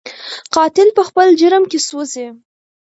قاتل په خپل جرم کې سوځي